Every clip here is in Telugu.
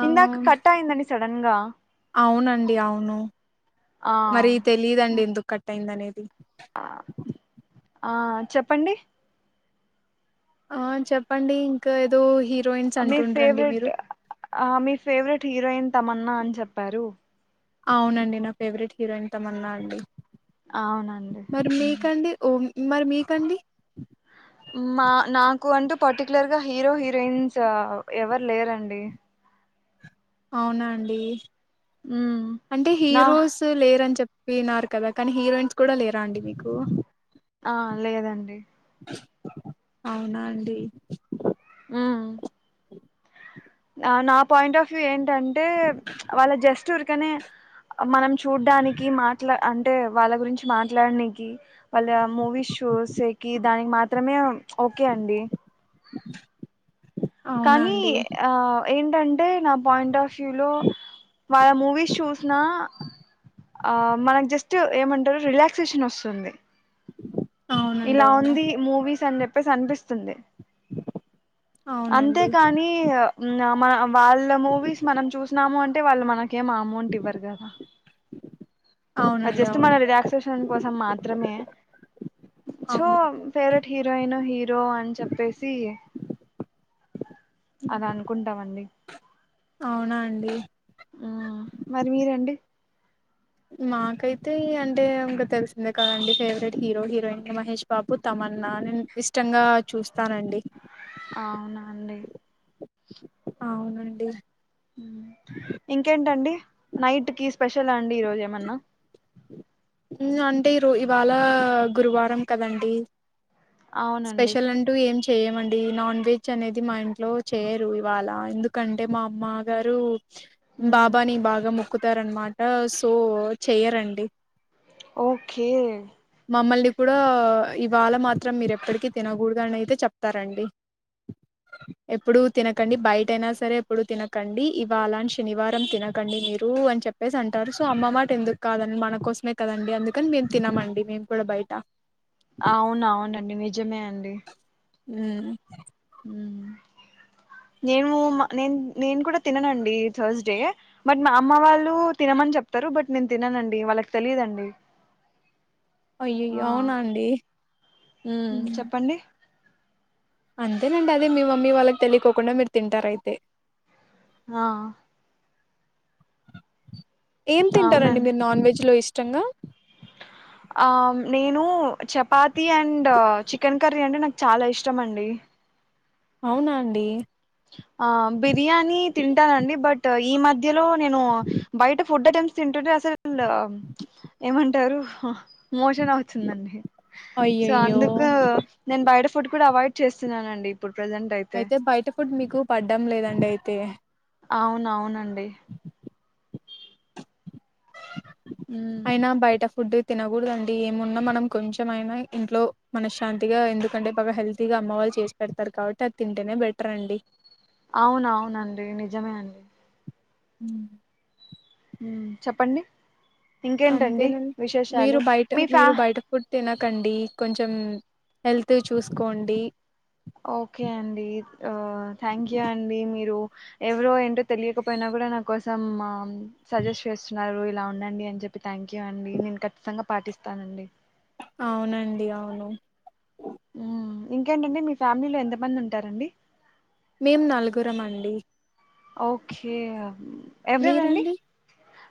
ఆ ఇందాక కట్ అయిందండి సడన్ గా అవునండి అవును, ఆ మరీ తెలీదండి ఎందుకు కట్ అయింది అనేద్. ఆ చెప్పండి ఆ చెప్పండి ఇంకా ఏదో హీర్ మీ ఫేవరెట్ ఆ మీ ఫేవరెట్ హిరోయిన్ తమన్నా అని చెప్పారు అవునండి నా ఫేవరెట్ హీరోయిన్ తమన్నా అండి అవునండి మరి మ్మ్. మీకండి ఓం మరి మీకండి మా నాకు అంటూ పర్టికులర్ గా హీరో హీరోయిన్స ఆ ఎవరు లేరండి అవునా అండీ ఉమ్ అంటే నా హీరోసు లేరని చె వినారు కదా కానీ హీరోయిన్స్ కూడా లేరా అండి మీకు ఆ లేదండి అవునా అండి ఉ నా నా పాయింట్ ఆఫ్ వ్యూ ఏ టంటే వాళ్ళ జస్ట్ అందుకనే మనం చూడ్డానికి మాట్లా అంటే వాళ్ళ గురించి మాట్లాడనికి వాళ్ళ మూవీస్ షోస్కి దానికి మాత్రమే ఓకే అండి అవునా కానీ అండి ఆ ఏంటంటే నా పాయింట్ ఆఫ్ షూ లో వాళ్ళ మూవీస్ చూసిన ఆ మనకు జస్ట్ ఏమంటారు రిలాక్సేషన్ వస్తుంది అవునండి ఇలా అవును ఉంది మూవీస్ అని చె ప్పేసి అనిపిస్తుంది అవునండి అంతేకాని నా మ వాళ్ళ మూవీస్ మనం చూసినాము అన్ వళ్ళ మన కేం అమౌంట్ ఇవ్వరు కదా అది అవునండి జస్ట్ మన అవును రిలాక్సేషన్ కోసం మాత్రమే సో అవునండి ఫేవరెట్ హీరోయిన్, హీరో అని చెప్పేసి హ్మ్. అలా అనుకుంటామండి అవునా అండి ఆ మరి మీరండి మాకైతే అంటే ఇంకా తెలిసిందే కదండి favourite hero, heroine Mahesh Babu Tamannaah నేను ఇష్టంగా చూస్తానండి అవునా అండి అవునండి ఇంకేంటండి నైట్ కీ స్పెషల్ ఉంది ఈరోజు ఏమన్నా ఉ అంటే రు ఇవాళ గురువారం కదండి అవునండి స్పెషల్ అంటూ ఏం చేయమండి నాన్ వెజ్ అనేది మా ఇంట్లో చేయరు ఇవాళ ఎందుకంటే మా అమ్మ గారు మ్మ్ బాబాని బాగా మొక్కుతారనమాట సో చెయరండి డి ఓకే మమ్మల్ని కూడా ఇవాళ మాత్రం మీరు ఎప్పటికిీ తినకూడదు అని అయితే చెప్తారండి ఎప్పుడు తినకండి బయట అయినా సరే ఎప్పుడు తినకండి ఇవాళ శనివారం తినకండి మీరు అని చెప్పేసి అంటారు సో అమ్మ మాట ఎందుకు కాదండి మనకోసమే కదండి అందుకని మేము తినమండి మేము కూడా బయట. అవును, అవునండి నిజమే అండి. హ్మ్! నేను, నేను నేను కూడా తిననండి థర్స్ డే, బట్ మా అమ్మ వాళ్ళు తినమని చెప్తారు బట్ నేను తిననండి వాళ్ళకి తెలియదుండి. అయ్యాయో! అవునాండి, మ్మ్ ఉమ్ చెప్పండి అంతేనండి, అదే మీ మమ్మీ వాళ్ళకి తెలియకోకుండా మీరు తింటారు అయితే. ఆ ఏం తింటారండి? అవునండి మీరు నాన్ వెజ్ లో ఇష్ట్ చెంగా! ఆ నేను చపాతి. తి అండ్ చికెన్ కర్రీ అంటే నాకు చాలా ఇష్టమండి. అవునాండి? ఆ బి బిర్యానీ తింటానండి. బట్ ఈ మధ్యలో నేను బయట ఫుడ్ ఐటమ్స్ తింటుంటే అసలు ఏమంటారు? మోషన్ అవుతుదండి, సో అయ్యయ్యో అందుకు నేను బయట ఫ్ ఫుడ్ కూడా అవాయిడ్ చేస్తున్నానండి. ఇప్పుడు ప్రజెంట్ అయితే బయట ఫుడ్ మీకు. పడ్డం లేదండి అయితే. అవునువునండి అే [unintelligible] ఉమ్ అయినా బయట ఫ్ ఫుడ్ తినకూడదండి. ఏమున్నా మనం కొంచెంమైనా ఇంట్లో మనశ్శాంతిగా ఎందుకంటే బాగా హెల్తీగా అమ్మ వాళ్ళు చేసి పెడతారు కాబట్టి అది తింటేనే బెటర్ అండి. అవునునవునండి నిజమే అండి. హ్మ్! ఉ చెప్పండి. ఇంకేంటండి అంతేనండి విశేషాలు మీ ఫ్యా కండి కొంచెం హెల్త్ చూసుకోండి. ఓకే అండి ఆ థ్యాంక్ యూ అండి మీరు ఎవరో ఏంటో తెలియకపోయినా కూడా నా కోసం ఆమ్ సజెస్ట్ చేస్తున్నారు. ఇలా ఉండండి అని చెప్పి థ్యాంక్ యూ అండి నేను ఖచ్చితంగా పాటిస్తానండి. అవునండి. అవును. ఉమ్, ఇంకేంటండి మీ ఫ్యామిలీలో ఎంత మంది ఉంటారండి? మేం నలుగురం అండి. ఓకే ఎవరెవరండి మీరండి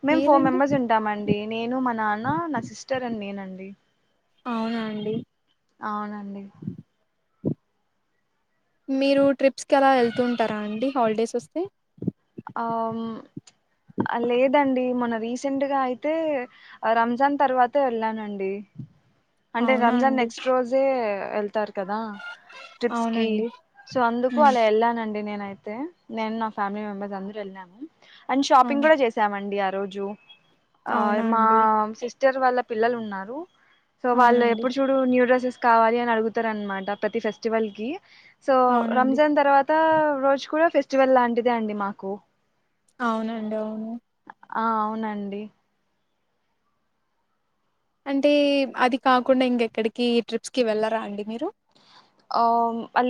మేము ఫోర్ మీరండి మెంబర్స్ ఉంటామండి. నేను మా నాన్న, నా సిస్టర్ అండ్ నేనండి. అవునా అండి అవునండి మీరు ట్రిప్స్ కి అలా వెళ్తు ఉంటారా అండి హాలిడేస్ వస్తే ఆ లేదండి మొన్న రీసెంట్గా అయితే రంజాన్ తర్వాతే వెళ్ళానండి అంటే అవునా రంజాన్ అండి నెక్స్ట్ రోజే వెళ్తారు కదా ట్రిప్స్ కి అవునండి సో అందుకు ఉమ్ అలా వెళ్ళానండి నేనైతే నేను నా ఫ్యామిలీ మెంబర్ అందరెళ్ళాము అని షాపింగ్ అవును గూడ జేసామండి అ రోజు అవునా మా అండి సిస్ సిస్టర్ వాళ్ళ పిల్లలు ఉన్నారు సో వాళ్ళ అవునండి ఎప్పుడు చూడు న్యూ డ్రెసెస్ కావాలి అని అడుగుతరన్ మాట ప్రతి ఫెస్టివల్ కి సో అవునండి రంజాన్ తర్వాత మత్త రోజు కూడా ఫెస్టివల్ లాంటిదే అండి మాకు కు.. అవునండి అవును ఆ అవునండి అంటే అది కాకుండా ఇంకెక్కడికి ట్రిప్స్ కి వెళ్ళరా అండి మీరు ఆ..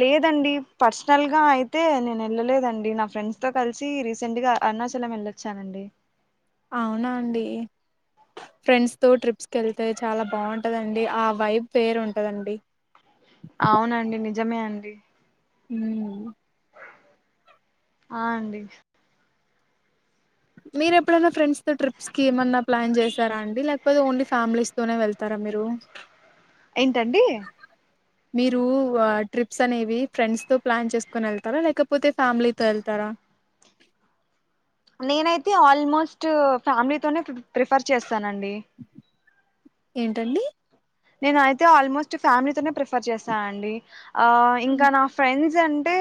లేదండి పర్సనల్గా అయితే నేను వెళ్ళలేదండి నా ఫ్రెండ్స్ తో కలిసి రీసెంట్గా అరుణాచలం వెళ్ళొచ్చానండి అవునా అండి ఫ్రెండ్స్ తో ట్రిప్స్ కి వెళ్తే చాలా బాగుంటుందండి ఆ వైబ్ వేరు ఉంటదండి అవునండి నిజమే అండి ఊ ఆ అండి మీరు ఎప్పుడైనా ఫ్రెండ్స్తో ట్రిప్స్కి ఏమన్నా ప్లాన్ చేసారా అండి లేకపోతే ఓన్లీ ఫ్యామిలీస్తోనే వెళ్తారా మీరు ఏంటండి మీరు ట్రిప్స్ అనేవి ఫ్రెండ్స్ తో ప్లాన్ చేసుకొని వెళ్తారా లేకపోతే ఫ్యామిలీతో వెళ్తారా నేనైతే ఆల్మోస్ట్ ఫ్యామిలీతోనే ప్రిఫర్ చేస్త్ స్తానండి ఏంటండి నేన అయితే ఆల్మోస్ట్ ఫ్యామిలీతోనే ప్రఫర్ చేస్తానండి ఆ ఇంకా హ్మ్. నా ఫ్రెండ్స్ అంటే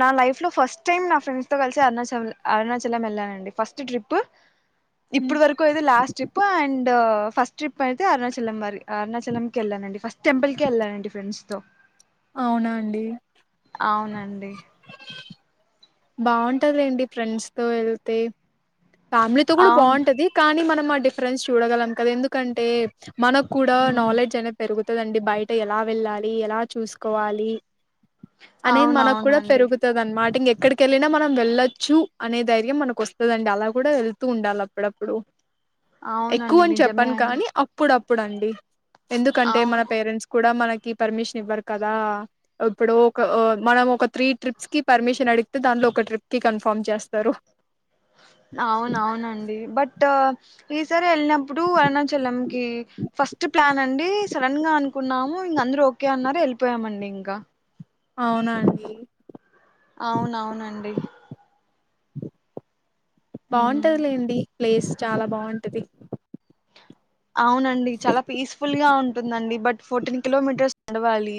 నా లైఫ్ లో ఫస్ట్ టైమ్ నా ఫ్రెండ్స్ తో కలిసి అరుణాచల్ అరుణాచలం వెళ్ళానండి ఫస్ట్ ట్రిప్పు ఇప్పుడు హ్మ్. వరకు ఇది last trip and first trip అయితే అరుణాచలం మరి అరుణాచ లం కే వెళ్ళాలనండి ఫస్ట్ టెంపుల్ కే వెళ్ళాలనండి ఫ్రెండ్స్ తో అవునా అండి అవునండి బాగుంటది లేండి ఫ్రెండ్స్ తో వెళ్తే ఫ్యామిలీతో కూడా అవును బాగుంటది కానీ మనం మా డిఫరెన్స్ చూడగలం కదా ఎందుకంటే మనకు కూడా ఉమ్, నాలెడ్జ్ అనేది పెరుగుతుంది చుడండి బయట ఎలా వెళ్ళాలి ఎలా చూసుకోవాలి అనేది మనకు కూడా అవునవునండి పెరుగుతాది అన్నమాట ఇంక ఎక్కడికెళ్లినా మనం వెళ్లొచ్చు అనే ధైర్యం మనకు వస్తదండి అలా కూడా వెళ్తూ ఉండాలి అప్పుడప్పుడు ఎక్కువ అవునండి అని నిజమే చెప్పను అండి కానీ అప్పుడుప్పు ఇప్పుడండి ఎందుకంటే మన అవును పేరెంట్స్ కూడా మనకి కి పర్మిషన్ ఇవ్వరు కదా ఇప్పుడు ఒక మనం ఒక త్రీ ట్రిప్స్ కి పర్మిషన్ అడిగితే దాంట్లో ఒక ట్రిప్ కి కన్ఫామ్ చేస్తారు అవున అవునండి బట్ ఈసారి వెళ్ళినప్పుడు అరుణాచలం కి ఫస్ట్ ప్లాన్ అండి సడన్ గా అనుకున్నాము ఇగా అందరు ఓకే అన్నారు వెళ్ళిపోయామండి ఇంకా అవునాండి అవునవునండి ఉమ్ బాగుంటదిలేండి ప్లేస్ చాలా బాగుంటది అవునండి చాలా పీస్ఫుల్ గా ఉంటుందండి బట్ ఫోర్టీన్ కిలోమీటర్స్ నడవాలి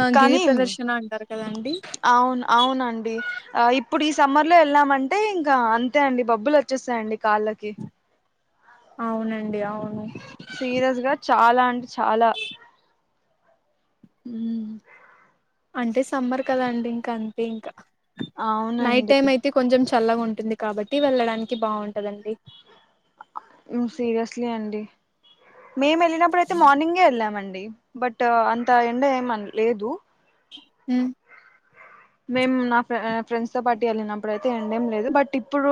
ఆ గిరి కానీ ప్రదర్శన అంటారు కదండి అవును అవునండి ఇప్పుడు ఈ సమ్మర్ లో వెళ్ళామంటే ఇంకా అంతే అండి బబ్బులు వచ్చేస్తాయిండి కాలకి అవునండి అవును సీరియస్ గా చాలా అంటే చాలా మ్మ్ అంటే సమ్మర్ కదాండి ఇంకా అంతే ఇంకా నైట్ అవునండి టైమ్ అయితే కొంచెం చల్లగా ఉంటుంది కాబట్టి వెళ్ళడానికి బాగుంటుందండి సీరియస్లీ అండి మేము వెళ్ళినప్పుడయితే మార్నింగే వెళ్ళామండి బట్ అంత ఎండ ఏమ లేదు హ్మ మేము నాఫ ఫ్రెండ్స్ తో పార్టీ వెళ్ళినప్పుడుయితే ఎండ ఏం లేదు బట్ ఇప్పుడు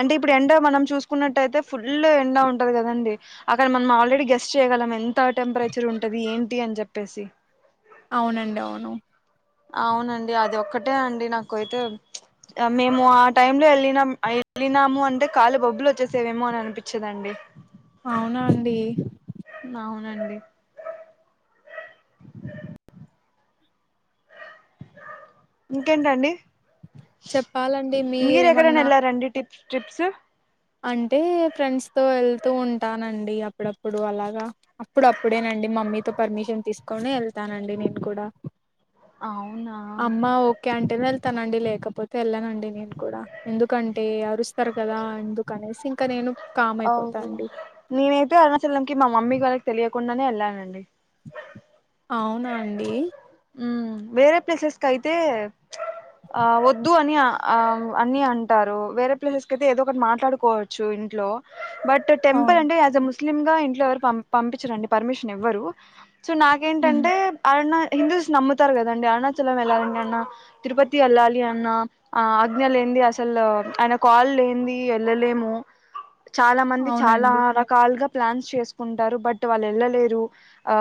అంటే ఇప్పుడు ఎండ మనం చూసుకున్నట్యితే ఫుల్ ఎండ ఉంటది కదండి అక్కడ మనం ఆల్రెడీ గెస్ చేయ్యగలం ఎంత టెంపరేచర్ ఉంటది ఏంటి అని చెప్పేసి అవునండి అవును అవునండి అది ఒక్కటే అండి నాక అయితే మేము ఆ టై లో వెళ్ళినాము వెళ్ళినాము అంటే కాళ బొబ్బులు వచ్చేసేవేమో అని అనిపించదండి అవునా అండి అవునండి ఇంకేంటండి చెప్పాలండి మీర ఎక్కడనే మీరేమన్నా ఎల్లారండి టిప్ ట్రిప్స్ అంటే ఫ్రెండ్స్ తో వెళ్తూ ఉంటానండి అప్పుడప్పుడు అలాగా అప్పుడు అప్పుడేనండి మా మమ్మీతో పర్మిషన్ తీసుకొని వెళ్తానండి నేను కూడా అవునా అమ్మ ఓకే ఆంటే న తనండి లేకపోతే వెళ్ళానండి నేను కూడా ఎందుకంటే అరుస్తారు కదా అందు కనీసి ఇంకా నేను ఓ నేనైయితే అరుణాచలంకి మా మమ్మీ గారికి తెలియకుండానే వెళ్ళానండి అవునా అండి ఉమ్ వేరే ప్లేసెస్ క అయితే ఆ వద్దు అని అని అంటారు వేరే ప్లేసెస్ అయితే ఏదో ఒకటి మాట్లాడుకోవచ్చు ఇంట్లో బట్ టెంపుల్ అవును అంట యాస్ ఎ ముస్ స్లిమ్ గా ఇంట్లో ఎవరు పంపించరండి పర్మిషన్ ఇవ్వరు సో ఉమ్ నాకేంటంటే అరుణ హిందుస్ నమ్ తారు కదండి అరుణాచలం వెళ్ళాలండి అన్నా తిరుపతి వెళ్ళాలి అన్నా ఆ అజ్ఞ లే ఏంది అసలు ఆయన కాల్ లేనిది వెళ్ళలేము చాలా మంది చాలా అవునండి రకాలుగా ప్లాన్స్ చేసుకుంటారు బట్ వాళ్ళు వెళ్ళలేరు ఆ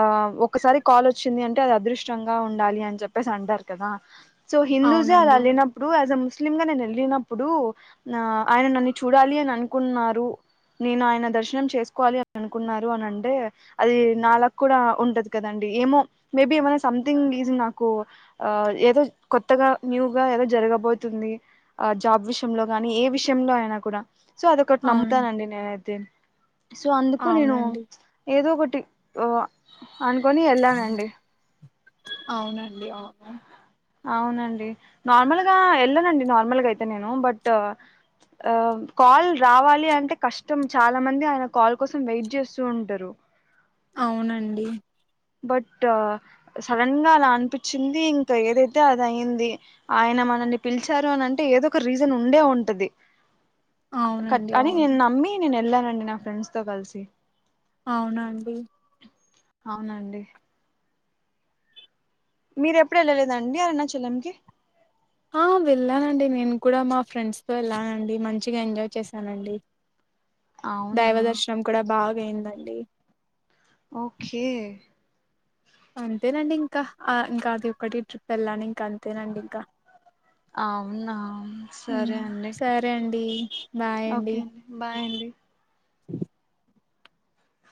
ఒకసారి కాల్ వచ్చింది అంటే అది అదృష్టంగా ఉ ఉండాలి చెప్పే సంటారుకదా సో హిందూసే అవునండి అలెల్లినప్పుడు ముస్ ముస్లిం గా నేను వెళ్ళినప్పుడు ఆ ఆయన నన్ను చూడాలి అని అనుకున్నారు నేను ఆయన దర్శనం చేసుకోవాలి అని అనుకున్నారు అని అంటే అది నా లక్ కూడా ఉంటది కదండి ఏమో మేబి ఏమైనా సంథింగ్ నాకు ఆ ఏదో కొత్తగా న్యూగా ఏదో జరగబోతుంది ఆ జాబ్ విషయంలో గానీ ఏ విషయంలో అయినా కూడా సో అద ఒకటి అవును నమ్తానండి నేనైతే సో అందుకు నేను అవునండి ఏదో ఒకటి టిక్ ఓ అనుకుని వెళ్ళానండి అవునండి అవును అవునండి నార్మల్గా వెళ్ళనండి నార్మల్గా అయితే నేను బట్ కాల్ రావాలి అంటే కష్టం చాలా మంది ఆయన కాల్ కోసం వెయిట్ జేస్తూ ఉంటరు అవునండి బట్ సడన్ గా అలా అనిపించింది ఇంకా ఏదైతే అది అయింది ఆయన మనల్ని పిలిచారు అని అంటే ఏదో ఒక రీజన్ ఉండే ఉంటది అవునండి అని అవును నమ్మీ నను ఎల్ల రండి నా ఫ్రెండ్స్ తో కలిసి అవునాండి అవునండి మీరు ఎప్పుడు వెళ్ళలేదండి అరుణాచలం కి ఆ వెళ్ళానండి నేను కూడా మా ఫ్రెండ్స్తో వెళ్ళానండి మంచిగా ఎంజాయ్ చేశానండి అవునా దైవ దర్శనం కూడా బాగ్ యిందండి ఓకే అంతేనండి ఇంకా ఇంకా అది ఒకటి ట్రిప్ వేళ్లను ఇంకా అంతేనండి ఇంకా అవునా సరే అండి సరే అండి ఓకే అండి బాయ్ అండి ఆ